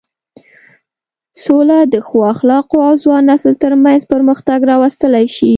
سوله د ښو اخلاقو او ځوان نسل تر منځ پرمختګ راوستلی شي.